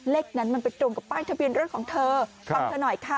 เลขนั้นมันไปตรงกับป้ายทะเบียนรถของเธอฟังเธอหน่อยค่ะ